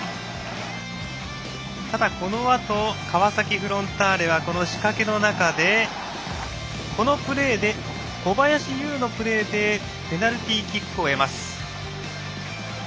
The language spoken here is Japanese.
ただ、このあと川崎フロンターレはこの仕掛けの中でこのプレーで小林悠のプレーでペナルティーキックを得ます。